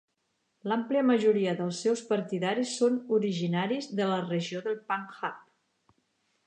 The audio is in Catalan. L'àmplia majoria dels seus partidaris són originaris de la regió del Panjab.